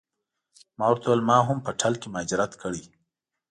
ما ورته وویل ما هم په ټل کې مهاجرت کړی.